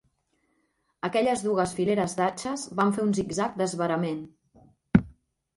Aquelles dugues fileres d'atxes van fer un zig-zag d'esverament